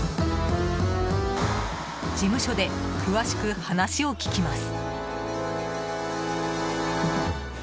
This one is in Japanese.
事務所で詳しく話を聞きます。